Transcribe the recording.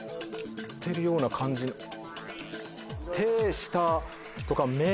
「手」下とか「目」